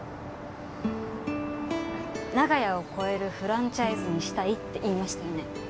長屋を超えるフランチャイズにしたいって言いましたよね。